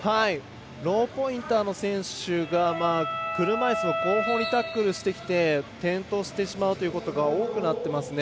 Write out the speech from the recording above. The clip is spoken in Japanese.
ローポインターの選手が車いすの後方にタックルしてきて転倒してしまうということが多くなってますね。